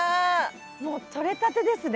もうとれたてですね。